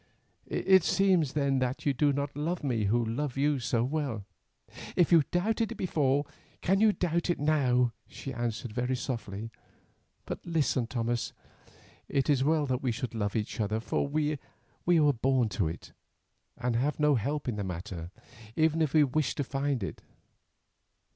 "It seems then that you do love me who love you so well." "If you doubted it before, can you doubt it now?" she answered very softly. "But listen, Thomas. It is well that we should love each other, for we were born to it, and have no help in the matter, even if we wished to find it.